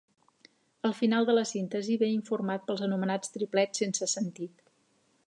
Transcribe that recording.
El final de la síntesi ve informat pels anomenats triplets sense sentit.